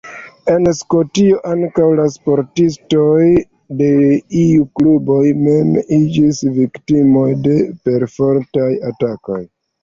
En Skotio ankaŭ la sportistoj de iuj kluboj mem iĝis viktimoj de perfortaj atakoj.